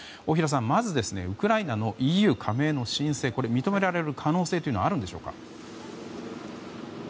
大平さん、まずウクライナのＥＵ加盟の申請認められる可能性というのはあるのでしょうか。